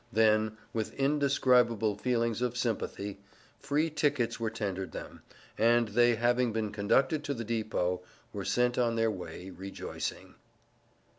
Then, with indescribable feelings of sympathy, free tickets were tendered them, and they having been conducted to the depot, were sent on their way rejoicing.